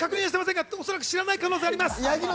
おそらく知らない可能性がいます。